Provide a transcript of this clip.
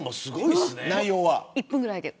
１分ぐらいで。